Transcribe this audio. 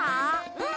うん。